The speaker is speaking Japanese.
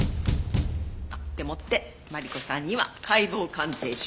あっでもってマリコさんには解剖鑑定書。